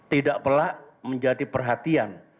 tidak perlah menjadi perhatian